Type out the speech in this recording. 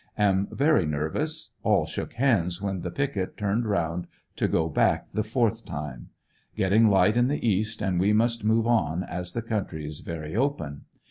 Am very nervous . All shook hands when the picket turned about to go back the fourth time. Getting light in the east and we must move on, as the country is very open.